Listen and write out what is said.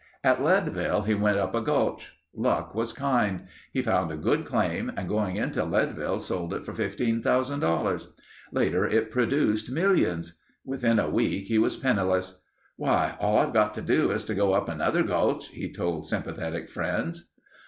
At Leadville he went up a gulch. Luck was kind. He found a good claim and going into Leadville sold it for $15,000. Later it produced millions. Within a week he was penniless. "Why, all I've got to do is to go up another gulch," he told sympathetic friends.